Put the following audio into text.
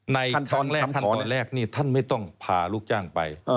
ในครั้งตอนแรกท่านไม่ต้องพาลูกจ้างไป